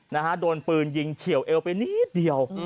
นะฮะโดนปืนยิงเฉียวเอวไปนิดเดียว